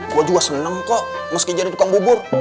gue juga seneng kok meski jadi tukang bubur